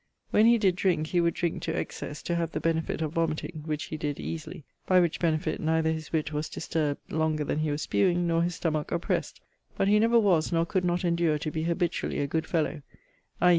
When he did drinke, he would drinke to excesse to have the benefitt of vomiting, which he did easily; by which benefit neither his witt was disturbt longer then he was spuing nor his stomach oppressed; but he never was, nor could not endure to be, habitually a good fellow, i.e.